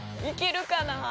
いけるかな。